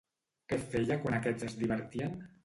Què feia quan aquests es divertien?